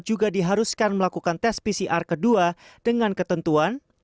juga diharuskan melakukan tes pcr kedua dengan ketentuan